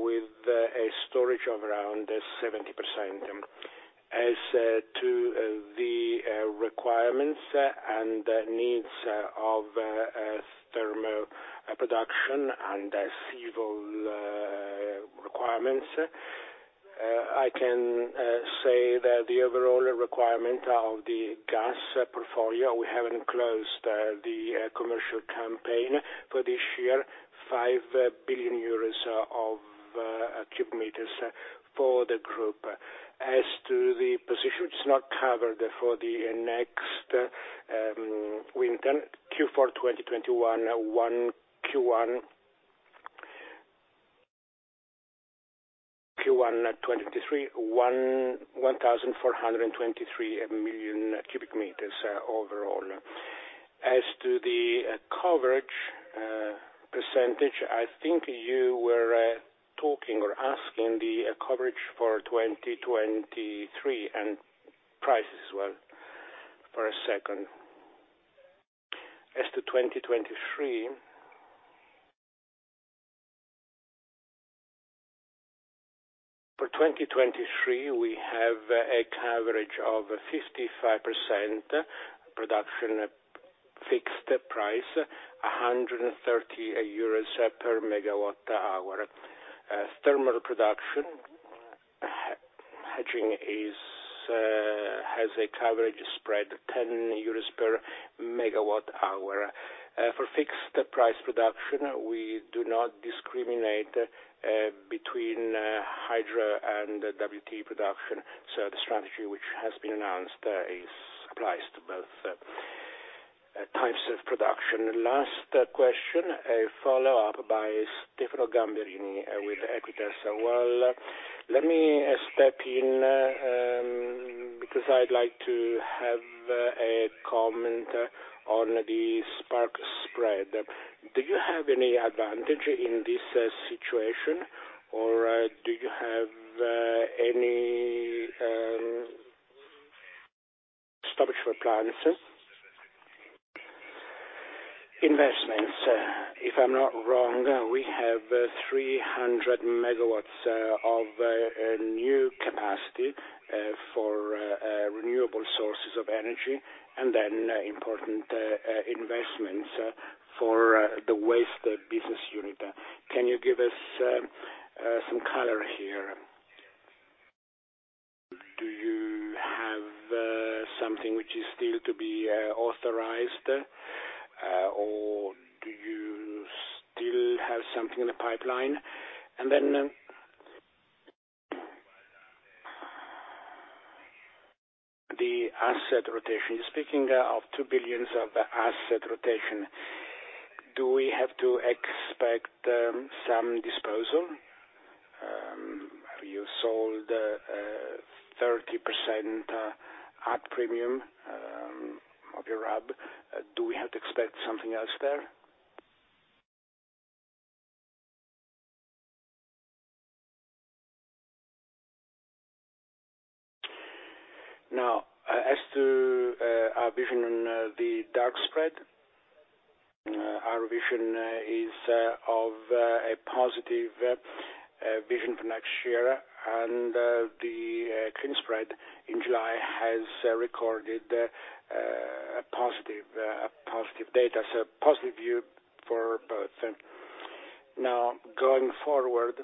with a storage of around 70%. As to the requirements and needs of thermal production and civil requirements, I can say that the overall requirement of the gas portfolio, we haven't closed the commercial campaign for this year, 5 billion cubic meters for the group. As to the positions not covered for the next winter, Q4 2021, Q1 2023, 1,423 million cubic meters overall. As to the coverage percentage, I think you were talking or asking the coverage for 2023 and prices as well, for a second. For 2023, we have a coverage of 55% production fixed price, 130 euros per megawatt hour. Thermal production hedging has a coverage spread 10 euros per megawatt hour. For fixed price production, we do not discriminate between hydro and WT production. The strategy which has been announced applies to both types of production. Last question, a follow-up by Stefano Gamberini with Equita. Well, let me step in because I'd like to have a comment on the spark spread. Do you have any advantage in this situation, or do you have any strategic plans? Investments. If I'm not wrong, we have 300 MW of new capacity for renewable sources of energy, and then important investments for the waste business unit. Can you give us some color here? Do you have something which is still to be authorized, or do you still have something in the pipeline? The asset rotation. Speaking of 2 billion of asset rotation, do we have to expect some disposal? You sold 30% at premium of your RAB. Do we have to expect something else there? Now, as to our vision on the dark spread, our vision is of a positive vision for next year. The clean spread in July has recorded positive data, so positive view for both. Now, going forward,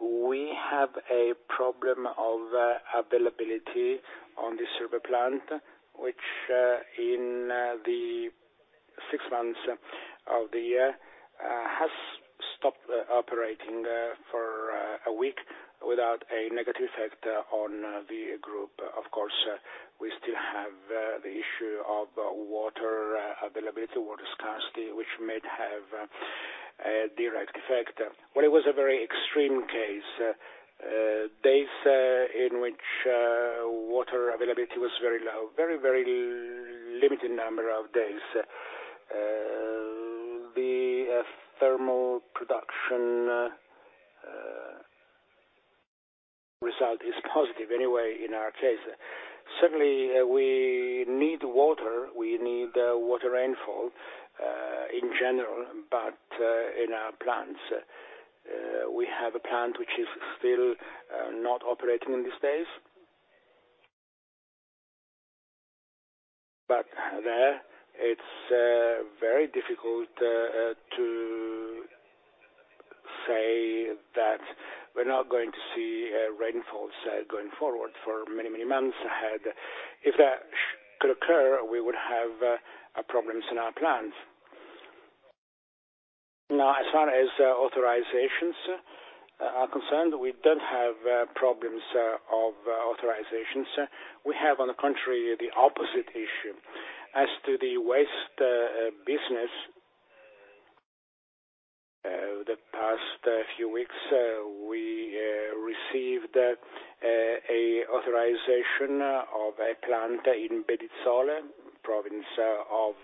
we have a problem of availability on the Cervere plant, which in the six months of the year has stopped operating for a week without a negative effect on the group. Of course, we still have the issue of water availability, water scarcity, which might have a direct effect. Well, it was a very extreme case. Days in which water availability was very low, very limited number of days. The thermal production result is positive anyway, in our case. Certainly, we need water. We need water rainfall in general, but in our plants. We have a plant which is still not operating in these days. There, it's very difficult to say that we're not going to see rainfalls going forward for many months ahead. If that could occur, we would have problems in our plants. Now, as far as authorizations are concerned, we don't have problems of authorizations. We have, on the contrary, the opposite issue. As to the waste business, the past few weeks, we received a authorization of a plant in Bedizzole, province of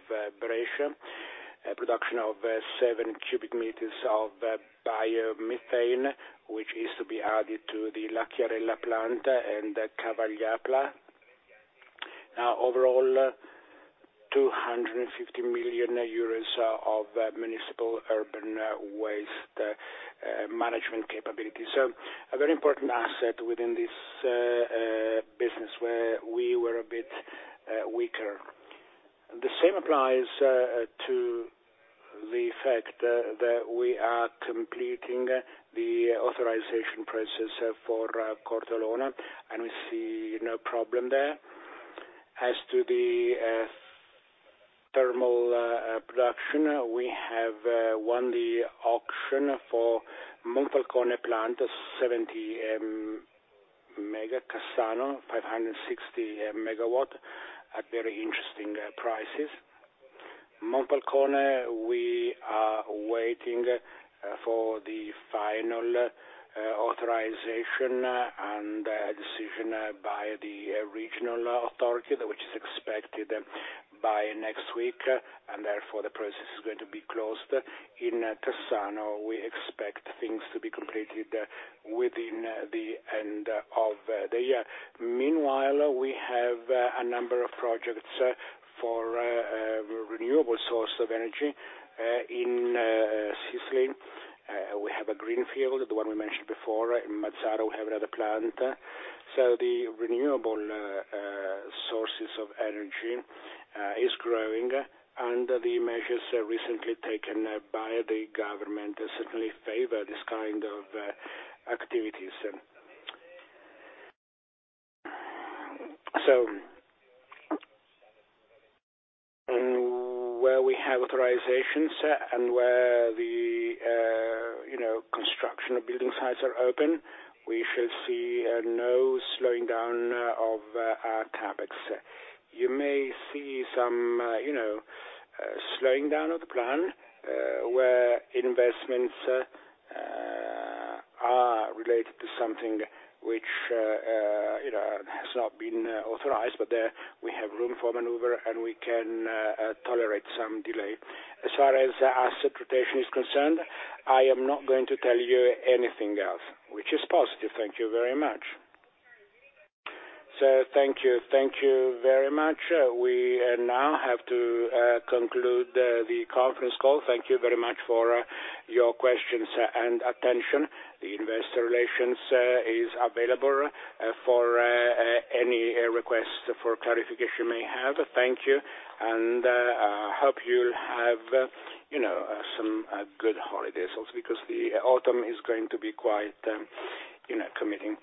Brescia, a production of 7 cubic meters of biomethane, which is to be added to the La Chiarella plant and the Cavaglià plant. Overall, 250 million euros of municipal urban waste management capability. A very important asset within this business where we were a bit weaker. The same applies to the fact that we are completing the authorization process for Crotone, and we see no problem there. As to the thermal production, we have won the auction for Monfalcone plant, 70 MW, Cassano, 560 MW, at very interesting prices. Monfalcone, we are waiting for the final authorization and decision by the regional authority, which is expected by next week, and therefore the process is going to be closed. In Cassano, we expect things to be completed within the end of the year. Meanwhile, we have a number of projects for renewable source of energy in Sicily. We have a greenfield, the one we mentioned before. In Mazara, we have another plant. The renewable sources of energy is growing, and the measures recently taken by the government certainly favor this kind of activities. Where we have authorizations and where the construction of building sites are open, we should see no slowing down of our CapEx. You may see some slowing down of the plan where investments are related to something which has not been authorized, but there we have room for maneuver, and we can tolerate some delay. As far as asset protection is concerned, I am not going to tell you anything else, which is positive. Thank you very much. Thank you. Thank you very much. We now have to conclude the conference call. Thank you very much for your questions and attention. The Investor Relations is available for any requests for clarification you may have. Thank you, and I hope you'll have, you know, some good holidays also because the autumn is going to be quite, you know, committing.